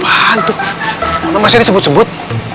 apaan tuh nama saya disebut sebut